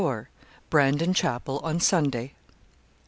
BRANDON CHAPEL ON SUNDAY.